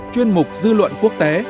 chuyên mục dư luận quốc tế